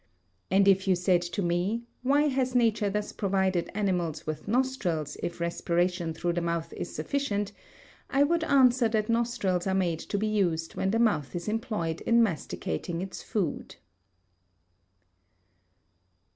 And if you said to me, Why has nature thus provided animals with nostrils if respiration through the mouth is sufficient? I would answer that nostrils are made to be used when the mouth is employed in masticating its food.